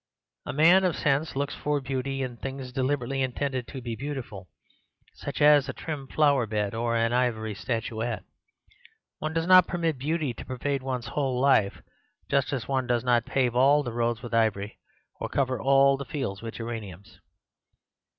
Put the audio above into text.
A man of sense looks for beauty in things deliberately intended to be beautiful, such as a trim flower bed or an ivory statuette. One does not permit beauty to pervade one's whole life, just as one does not pave all the roads with ivory or cover all the fields with geraniums.